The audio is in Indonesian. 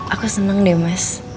aku seneng deh mas